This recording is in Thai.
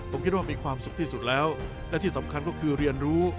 ผมคิดว่ามีความสุขที่สุดแล้วและที่สำคัญก็คือเรียนรู้